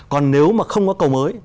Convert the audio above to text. còn nếu mà không có cầu mới